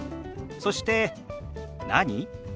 そして「何？」。